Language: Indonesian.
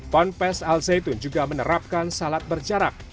ponpes al zaitun juga menerapkan salat berjarak